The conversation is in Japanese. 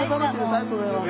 ありがとうございます。